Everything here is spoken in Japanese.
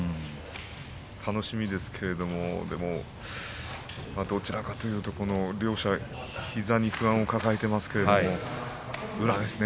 楽しみですけれども、でもどちらかというと両者、膝に不安を抱えていますけれども宇良ですね。